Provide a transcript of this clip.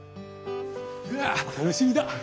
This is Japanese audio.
うわ楽しみだ！